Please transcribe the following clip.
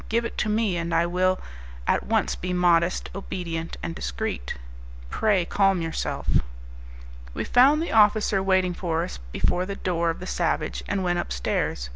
Give it to me and I will at once be modest, obedient and discreet." "Pray calm yourself." We found the officer waiting for us before the door of "The Savage," and went upstairs.